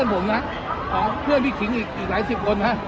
ก็เยอะอยู่แล้วนะครับ